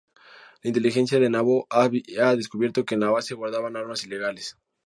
La inteligencia de Naboo había descubierto que en la base guardaban armas ilegales.